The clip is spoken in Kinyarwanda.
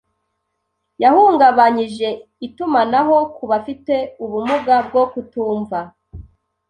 yahungabanyije itumanaho ku bafite ubumuga bwo kutumva